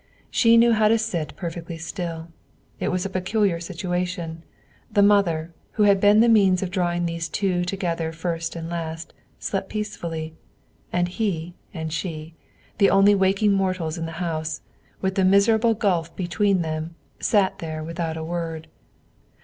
She knew how to sit perfectly still. It was a peculiar situation, the mother, who had been the means of drawing these two together first and last, slept peacefully; and he and she, the only waking mortals in the house, with the miserable gulf between them, sat there without a word.